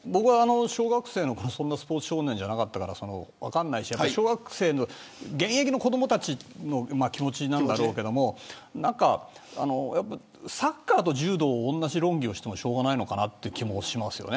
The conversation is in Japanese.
小学校のときスポーツ少年ではなかったから分からないし現役の子どもたちの気持ちなんだろうけどもサッカーと柔道でおんなじ論議をしてもしょうがないのかななという気もします。